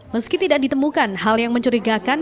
meski tidak ditemukan hal yang mencurigakan